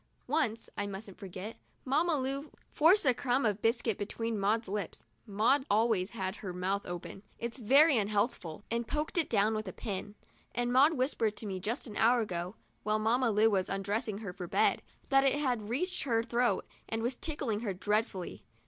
Once, I mustn't forget, Mamma Lu forced a crumb of biscuit between Maud's lips (Maud always has her mouth open — it's very unhealthful), and poked it down with a pin ; and Maud whispered to me just an hour ago, while Mamma Lu was undressing her for bed, that it had reached her throat and was tickling her dreadfully.